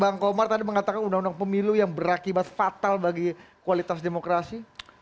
bang komar tadi mengatakan undang undang pemilu yang berakibat fatal bagi kualitas demokrasi